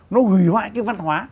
nó hủy hoại cái văn hóa